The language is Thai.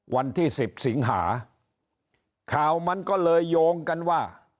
วันที่๑๐สิงหาข่าวมันก็เลยโยงกันว่า